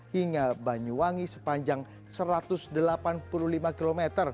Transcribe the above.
hingga banyuwangi sepanjang satu ratus delapan puluh lima km